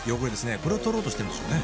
これを取ろうとしてるんでしょうね